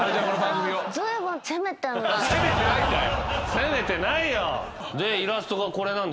攻めてないよ！